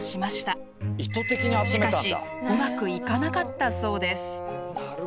しかしうまくいかなかったそうです。